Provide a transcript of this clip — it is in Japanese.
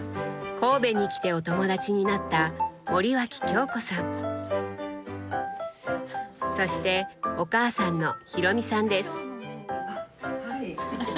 神戸に来てお友達になったそしてお母さんの今日のメニュー。